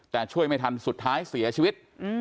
แต่ช่วยไม่ทันสุดท้ายเสียชีวิต